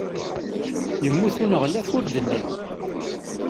Yemmut uneɣlaf ur d-nnin.